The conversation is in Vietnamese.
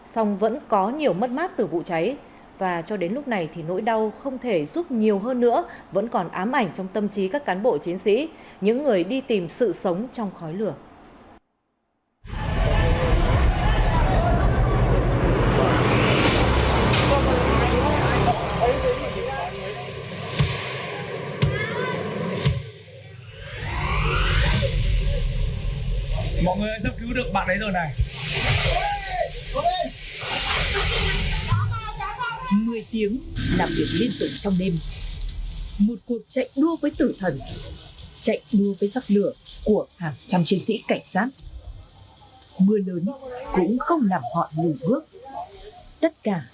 xong vẫn có nhiều mất mát từ vụ cháy và cho đến lúc này thì nỗi đau không thể giúp nhiều hơn nữa vẫn còn ám ảnh trong tâm trí các cán bộ chiến sĩ những người đi tìm sự sống trong khói lửa